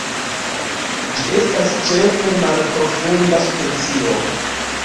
Ĝi estas ĉefe malprofunda specio.